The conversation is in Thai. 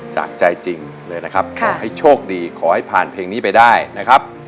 จากใจจริงเลยนะครับขอให้โชคดีขอให้ผ่านเพลงนี้ไปได้นะครับ